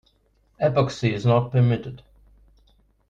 Epoxy is not permitted.